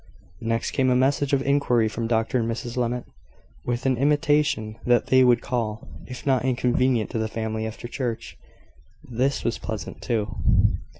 Next came a message of inquiry from Dr and Mrs Levitt, with an intimation that they would call, if not inconvenient to the family, after church. This was pleasant too.